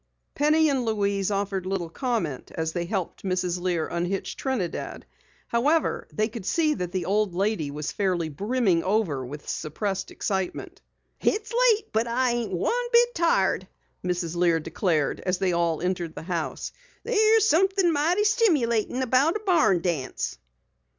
Penny and Louise offered little comment as they helped Mrs. Lear unhitch Trinidad. However, they could see that the old lady was fairly brimming over with suppressed excitement. "It's late, but I ain't one bit tired," Mrs. Lear declared as they all entered the house. "There's somethin' mighty stimulatin' about a barn dance."